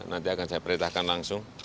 nanti akan saya perintahkan langsung